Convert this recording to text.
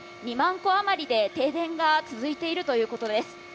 ２万戸あまりで停電が続いているということです。